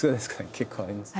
結構ありますね。